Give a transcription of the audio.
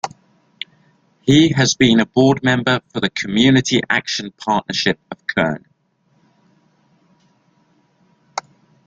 He has been a board member for the Community Action Partnership of Kern.